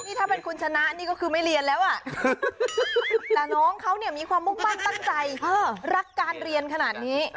นี่ถ้าเป็นคุณชนะนี่ก็คือไม่เรียนแล้วแต่น้องเขาเนี่ยมีความมุ่งมั่นตั้งใจรักการเรียนขนาดนี้